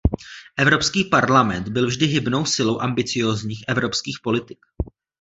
Evropský parlament byl vždy hybnou silou ambiciózních evropských politik.